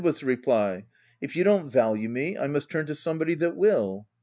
was the reply, " if you don't value me, I must turn to somebody that will.